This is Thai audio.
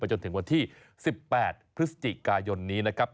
ไปจนถึงวันที่๑๘พซกนนี้นะครับ